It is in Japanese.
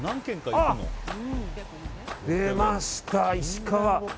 出ました、石川。